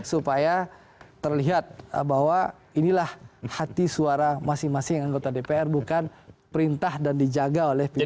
supaya terlihat bahwa inilah hati suara masing masing anggota dpr bukan perintah dan dijaga oleh pimpinan